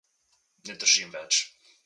Ne držim več.